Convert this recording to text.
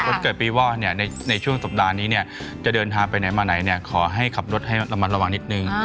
คนเกิดปีว่าในช่วงสัปดาห์นี้เนี่ยจะเดินทางไปไหนมาไหนขอให้ขับรถให้ระมัดระวังนิดนึง